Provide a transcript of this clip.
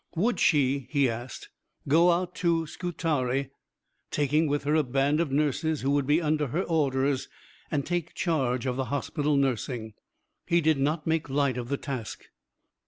Would she, he asked, go out to Scutari, taking with her a band of nurses who would be under her orders, and take charge of the hospital nursing? He did not make light of the task.